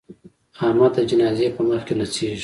احمد د جنازې په مخ کې نڅېږي.